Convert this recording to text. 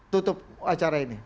tutup acara ini